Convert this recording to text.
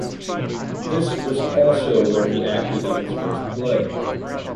This was also where he acted in his first play.